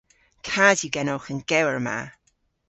Kas yw genowgh an gewer ma.